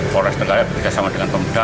polres terenggalek bekerjasama dengan pmk